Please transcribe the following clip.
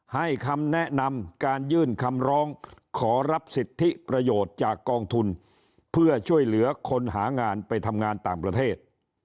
ให้คำแนะนำการยื่นคำร้องขอรับสิทธิประโยชน์จากกองทุนเพื่อช่วยเหลือคนหางานไปทำงานต่างประเทศ